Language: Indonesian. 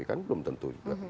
kan belum tentu juga